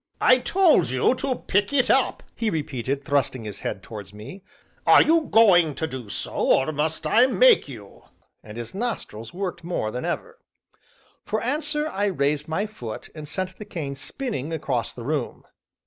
'" "I told you to pick it up," he repeated, thrusting his head towards me; "are you going to do so, or must I make you?" and his nostrils worked more than ever. For answer I raised my foot and sent the cane spinning across the room.